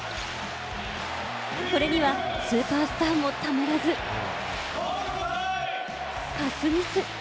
これにはスーパースターもたまらず、パスミス。